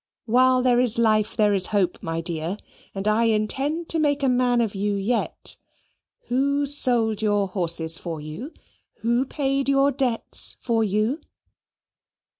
While there is life, there is hope, my dear, and I intend to make a man of you yet. Who sold your horses for you? Who paid your debts for you?"